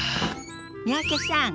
三宅さん